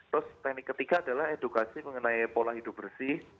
terus teknik ketiga adalah edukasi mengenai pola hidup bersih